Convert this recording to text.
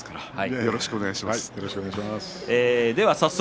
よろしくお願いします。